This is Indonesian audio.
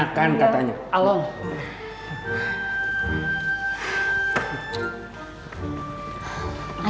udah baik kan udah enakan katanya